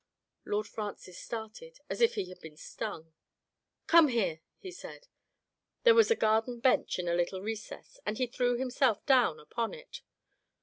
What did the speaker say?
Lord Francis started as if he had been stung. " Come here !" he said. There was a garden bench in a little recess, and he threw himself down upon it.